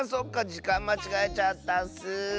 じかんまちがえちゃったッス。